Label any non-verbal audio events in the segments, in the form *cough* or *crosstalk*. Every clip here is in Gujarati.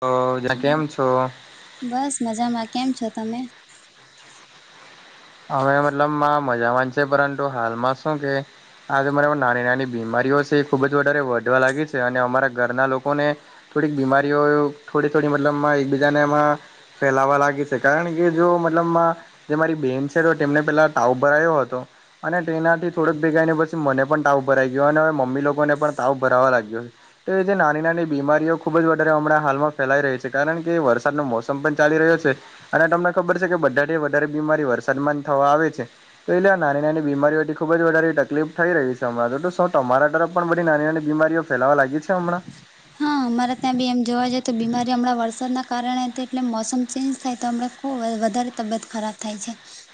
તો જે કેમ છો? બસ મજામાં કેમ છો તમે? અવે મતલબ મજા વાંધ છે પરંતુ હાલમાં શું કે આજે મને નાની નાની બીમારીઓ છે ખુબ જ વધારે વધવા લાગી છે અને અમારા ઘરના લોકો ને થોડીક બીમારીઓ થોડી થોડી મતલબમાં એકબીજાને એમાં ફેલાવા લાગે છે કારણ કે જો મતલબ જે મારી બેમ તો તેમને પેલા ટાવભરા આવયો હતો. અને તેનાથી થોડોક ભેગા ને પછી મને પણ તાવ ભરાઈ ગયો અને મમ્મી લોકોને પણ તાવ ભરાવા લાગ્યો. તો એ જે નાની નાની બીમારીઓ ખૂબ જ વધારે હમણાં હાલમાં ફેલાઈ રહી છે કારણ કે વરસાદનો મોસમ પણ ચાલી રહ્યો છે. અને તમને ખબર છે કે બધારેથી વધારે બીમારી વરસાદ ન થવા આવે છે. તો એટલે આ નાની નાની બીમારીઓથી ખૂબ જ વધારે તકલીફ થઈ રહી છે અમારા તો શું તમારા તરફ પણ બધી નાની નાની બીમારીઓ ફેલાવા લાગી જ છે હમણાં? હા અમારે ત્યાં બી એમ જોવા જઈએ તો બીમારી હમણાં વરસાદના કારણે એટલે મોસમ ચેન્જ થાય તો હમણાં ખૂબ વધારે તબિયત ખરાબ થાય છે.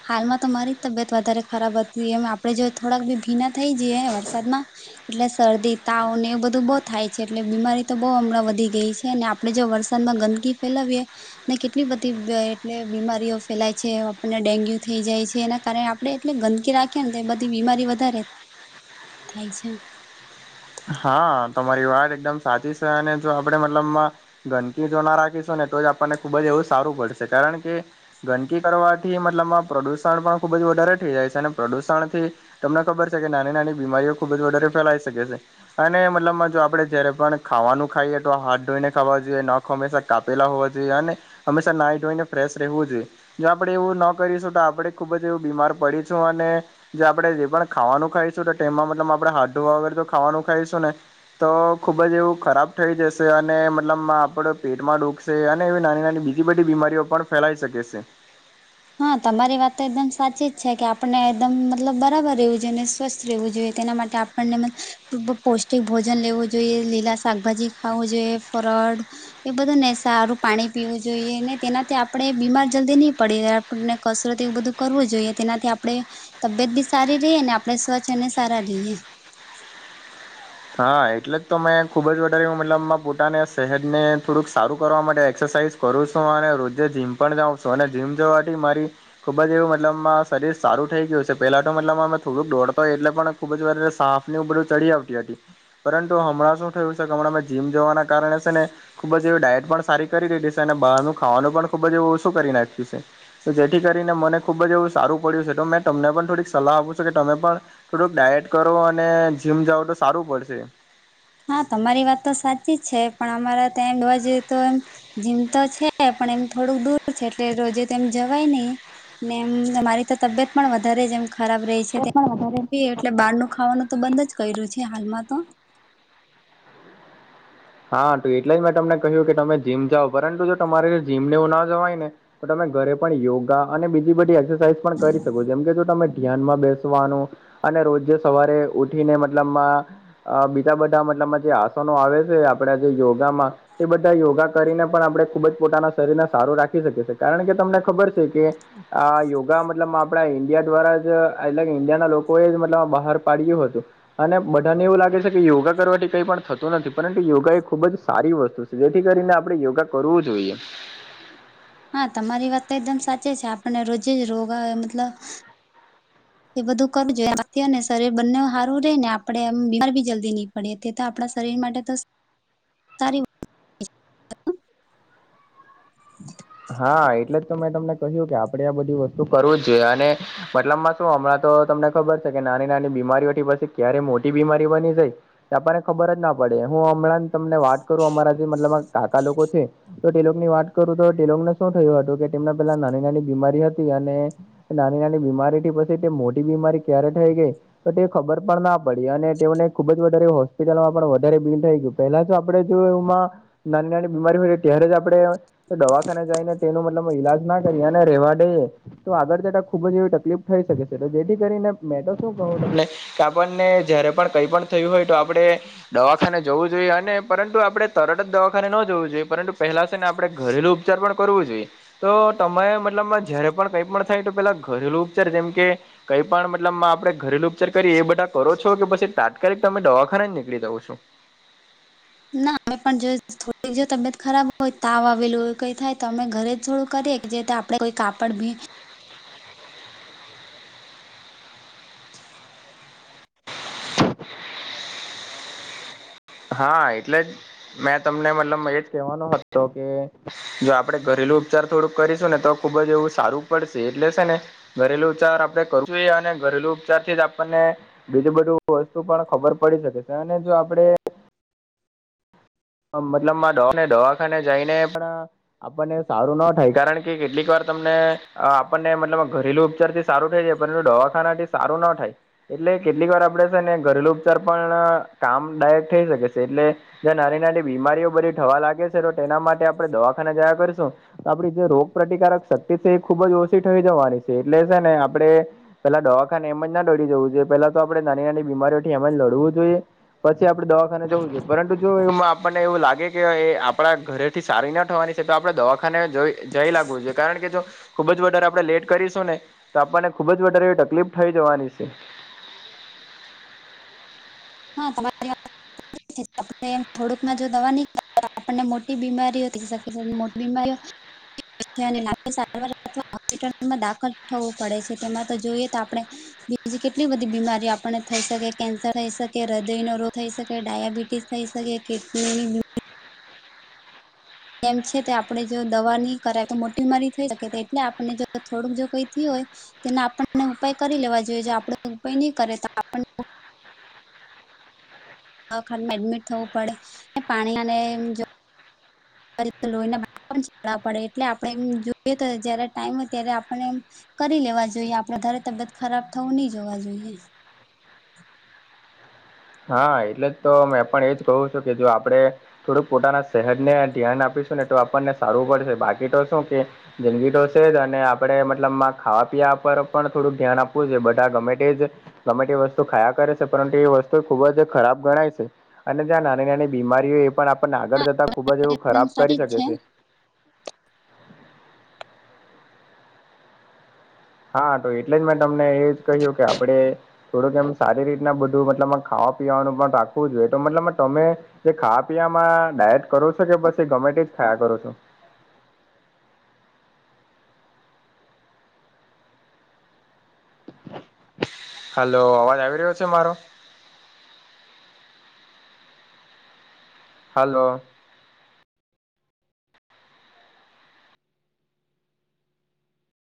હાલમાં તો મારી તબિયત વધારે ખરાબ હતી એમ આપડે જો થોડાક બી ભીના થઈ જઈએ વરસાદમાં. એટલે શરદી તાવ ને એ બધું બઉ થાય છે એટલે બીમારી તો બહુ હમણાં વધી ગઈ છે અને આપડે જો વરસાદમાં ગંદકી ફેલાવીએ. ને કેટલી બધી એટલે બીમારીઓ ફેલાય છે આપણને ડેન્ગ્યુ થઈ જાય છે એના કારણે આપણે એટલે ગંદકી રાખી ને બધી બીમારી વધારે હા *inaudible* થાય છે. હા તમારી વાત એકદમ સાચી છે અને જો આપડે મતલબ ગંદકી જો ના રાખીશું ને તો જ આપણને ખુબ જ એવું સારું પડશે કારણ કે ગંદકી કરવાથી મતલબમાં પ્રદુષણ પણ ખુબ જ વધારે થઈ જાય છે અને પ્રદુષણથી તમને ખબર છે કે નાની નાની બીમારીઓ ખુબ જ વધારે ફેલાઈ શકે છે. અને મતલબમાં જો આપડે જયારે પણ ખાવાનું ખાઈએ તો હાથ ધોઈને ખાવા જોઈએ ન આો હંમેશા કાપેલા હોવા જોઈએ અને, હમેશા નાઇડ હોઈને ફ્રેશ રહેવું જોઈએ. જો આપણેે એવું ના કરીશું તો આપણેે ખુબ જ એવું બીમાર પડીશું અને જે આપણે જે પણ ખાવાનું ખાઈશું નેમાં મતલબ આપણેે હાું વગર તો ખાવાનું ખાઈશું ને. તો ખૂબ જ એવું ખરાબ થઈ જશે અને મતલબ આપડ પેટમાં ડુખશે. અને એવી નાની નાની બીજી બધી બીમારીઓ પણ ફેલાઈ શકે છે. હા તમારી વાત તો એકદમ સાચી જ છે કે આપણે એકદમ મતલબ બરાબર રહેવું જોઈએ અનેને સ્વસ્થ રહેવું જોઈએ તેના માટે આપને, પૌષ્ટિક ભોજન લેવું જોઈએ લીલા શાકભાજી ખાવું જોઈએ ફડ. એ બધાને સારું પાણી પીવું જોઈએ તેનાથી આપડે બીમાર જલ્દી ની પડીએ ને કસરત એવું બધું કરવું જોઈએ તેનાથી આપડે તબિયત બી સારી રેય અને આપડે સ્વચ્છ અને સારા રહીએ હા એટલે જ તો મેં ખૂબ જ વધારે મતલબમાં પોતાને શહેરને થોડુંક સારું કરવા માટે એક્સરસાઇઝ કરું છું અને રોજે જીમ પણ જાઉ છું અને જીમ જવાથી મારી ખુબ જ એવું મતલબમાં શરીર સારું થઈ ગયું છે પેલા તો મતલબ અમે થોડુંક દોડતો એટલે પણ ખુબ જ વાર સાફ ને બધું ચડી આવતી પરંતુ હમણાં શું થયું છે કે હમણાં મેં જીમ જવાના કારણે છે ને ખુબ જ એવી ડાયટ પણ સારી કરી દીધી છે અને બહારનું ખાવાનું પણ ખુબ જ એવું ઓછું કરી નાખ્યું છે તો જેથી કરીને મને ખૂબ જ એવું સારું પડ્યું છે તો મેં તમને પણ થોડીક સલાહ આપું છું કે તમે પણ થોડુંક ડાયટ કરો અને જીમ જાવ તો સારું પડશે હા તમારી વાત તો સાચી જ છે પણ અમારા ત્યાં જોવા જઈએ તો એમ જીમ તો છે પણ એમ થોડુંક દૂર છે એટલે રોજે તો એમ જવાય નઈ ને એમ મારી તો તબિયત પણ વધારે જ એમ ખરાબ રેય એટલે બી બારનું ખાવાનું તો બંધ જ કર્યું છે હાલમાં તો હા તો એટલે જ મેં તમને કહ્યું કે તમે જીમ જાઓ પરંતુ જો તમારે જીમ ને એવું ના જવાય ને તો તમે ઘરે પણ યોગા અને બીજી બધી એક્સરસાઇઝ પણ કરી શકો જેમ કે જો તમે ધ્યાનમાં બેસવાનું અને રોજ સવારે ઉઠીને મતલબમાં અ બીજા બધા મતલબમાં જે આસનો આવે છે આપડા જે યોગામાં એ બધા યોગા કરીને પણ આપડે ખુબ જ પોતાના શરીરને સારું રાખી શકીએ છે કારણ કે તમને ખબર છે કે આ યોગા મતલબ આપડા ઈન્ડિયા દ્વારા જ એટલે ઈન્ડિયા ના લોકોએ મતલબ બહાર પાડયું હતું અને બધાને એવું લાગે છે કે યોગા કરવાથી કઈ પણ થતું નથી પર યોગા એ ખુબ જ સારી વસ્તુ છે જેથી કરીને આપડે યોગા કરવું જોઈએ હા તમારી વાત તો એકદમ સાચી છે આપણને રોજે રોગ મતલબ એ બધું કરવું જોઈએ *inaudible* શરીર બંને સારું રે ને આપડે એમ બીમારી જલ્દી ની પડ્યે તે તો આપડા શરીર માટે તો સારી હા એટલે જ તો મેં તમને કહ્યું કે આપડે આ બધી વસ્તુ કરવું જ જોઈએ અને મતલબમાં શું હમણાં તો તમને ખબર છે કે નાની નાની બીમારીઓથી પછી ક્યારે મોટી બીમારી બની જાય ત આપનણે ખબર જ ના પડે હું હમણાં તમને વાત કરું અમારા જે મતલબ કાકા લોકો છે તો તે લોકો ની વાત કરું તો તે લોકને શું થયું હતું કે તેમના પેલા નાની નાની બીમારી હતી અને નાની નાની બીમારી થી પછી તે મોટી બીમારી ક્યારે થઈ ગઈ તો તે ખબર પણ ના પડી અને તેમને ખુબ જ વધારે હોસ્પિટલમાં પણ વધારે બિલ થઈ ગયું પેહલા તો આપડે જો એમાં નાની નાની બીમારી હોય ત્યારે આપડે દવા ખાને જાઈને તેનું મતલબમાં ઈલાજ ના કરીએ અને રેવા દઈએ તો આગળ જતાં ખુબ જ એવી તકલીફ થઈ શકે છે તો જેથી કરીને મેં તો શું કહું તમને કે આપણને જયારે પણ કઈ પણ થયું હોય તો આપડે દવાખાને જવું જોઈએ અને પરંતુ આપડે તરત જ દવાખાને ન જવું જોઈએ પરંતુ પહેલા છે ને આપડે ઘરેલું ઉચ્ચારપણ કરવું છે તો તમારે મતલબમાં જયારે પણ કઈ પણ થાય તો પેલા ઘરેલુ ઉપચાર જેમ કે કઈ પણ મતલબ આપડે ઘરેલુ ઉપચાર કરીએ એ બધા કરો છો કે પછી તાત્કાલિક તમે દવાખાના જ નીકળી જાઓ છો ના અમે પણ જો થોડી જો તબિયત ખરાબ હોય તાવ આવેલું હોય કઈ થાય તો અમે ઘરે થોડું કરીએ જે તા પડે કોઈ કાપડ ભી હા એટલે જ મેં તમને મતલબ એજ કેહવાનો હતો કે જો આપડે ઘરેલુ ઉપચાર થોડુંક કરીશું ને તો ખુબ જ એવું સારું પડશે એટલે છે ને ઘરેલુ ઉપચાર આપડે કરવો જોઈએ અને ઘરેલુ ઉપચાર થી જ આપણને બીજું બધું વસ્તુ પણ ખબર પડી શકે છે અને જો આપડે મતલબ મા દવાખાને જઈને આપણા આપણને સારું ના થાય કારણ કે કેટલીક વાર તમને આપણને મતલબ ઘરેલુ ઉપચાર થી સારું થઈ જાય પરંતુ દવાખાના થી સારું ના થાય એટલે કેટલીક વાર આપડે શે ને ઘરેલુ ઉપચાર પણ કામ દાયક થઈ શકે શે એટલે જ્યાં નાની નાની બીમારીઓ બધી થવા લાગે શે તો તેના માટે આપણે દવાખાના જયા કરશું આપડી જે રોગ પ્ર્રતિકારક શક્તિ શે એ ખુબ જ ઓસી થઈ જવાની શે એટલે શે ને આપણે પેલા દવાખાને એમ જ ના દોડી જવું જોઈએ પેલા તો આપણેે નાની નાની બીમારીઓથી એમ જ લડવું જોઈએ પછી આપડે દવાખાના જવું જોયે પરંતુ જો એવું મા આપણને એવું લાગે કે એ આપણા ઘરેથી સારી ના થવાની છે તો આપણે દવાખાને જ જઈ લાગવું જોઈએ કારણ કે જો ખુબ જ વધારે આપણે લેટ કરીશું ને તો આપણને ખુબ જ વધારે એવી તકલીફ થઇ જવાની છે હા તમારી *unintelligible* એમ થોડુંકમાં જો દવા ની આપણને મોટી બીમારીઓ થઈ શકે છે *unintelligible* મોટી બીમારીઓ *unintelligible* સારવાર અથવા હોસ્પિટલમાં દાખલ થવું પડે છે તેમાં તો જોઈએ તો આપણે બીજી કેટલી બધી બીમારી આપને થઈ શકે કેન્સર થઈ શકે કે હૃદય નો રોગ થઈ શકે ડાયાબિટીસ થઈ શકે કે *unintelligible* એમ છે તે આપણે જો દવા ની કરાય તો મોટી બીમારી થઈ શકે એટલે આપને જો થોડુંક જો કઈ થિયું હોય તેના આપણને ઉપાય કરી લેવા જોઈએ જો આપડ ઉપાય ની કરે તો આપણને હ દવાખાણા મા એડમિટ થવું પડે ને પાનિયા ને ક્યારે લોહી ના બાટલા પણ ચડાવા પડે એટલે આપણે એમ જોઈએ તો જયારે ટાઈમ હોય ત્યારે આપને કરી લેવા જોઈએ આપડે વધારે તબિયત ખરાબ થવું ની જોઈએ હા એટલે જ તો મેં પણ એજ કહું છું કે જો આપણે થોડુંક પોતાના સેહત ને ધ્યાન આપીશું ને તો આપણને સારું પડશે બાકી તો શું કે જંદગીતો શે જ અને આપણે મતલબમાં ખાવા પીવા પર પણ થોડુંક ધ્યાન આપવું જોયે બધા ગમે તે જ ગમે તે વસ્તુ ખાયા કરે છે પરંતુ એ વસ્તુ ખુબ જ ખરાબ ગણાય છે અને જ્યાં નાની નાની બીમારીઓ એ પણ આપને આગળ જતા ખુબ જ એવું ખરાબ એકદમ સાચી કરી જ શકે છે હા તો એટલે જ મેં તમને એ જ કહ્યું કે આપડે થોડુંક એમ સારી રીતના બધું મતલબ ખાવા પીવાનું પણ રાખવું જોઈએ તો મતલબ તમે કે ખાવા પીવામાં ડાયટ કરું છો કે પછી ગમે તે જ ખાયા કરો છો હલો અવાજ આવી રહ્યો છે મારો હલો છે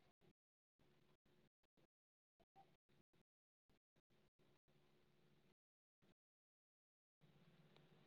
આ છે આ છે